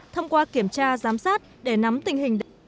thông qua kiểm tra giám sát để nắm tình hình đại dịch